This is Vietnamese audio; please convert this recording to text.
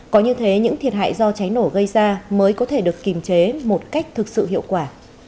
có như thế những thiệt hại do cháy nổ gây ra mới có thể được kìm chế một cách thực sự hiệu quả